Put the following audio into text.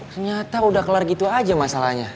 ternyata udah kelar gitu aja masalahnya